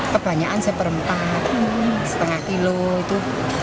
kebanyakan seperempat setengah kilo itu